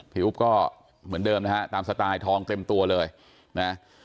อุ๊บก็เหมือนเดิมนะฮะตามสไตล์ทองเต็มตัวเลยนะ